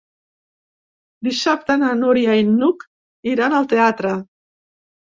Dissabte na Núria i n'Hug iran al teatre.